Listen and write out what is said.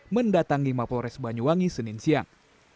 mendatangi mapolres banyuwangi senin siang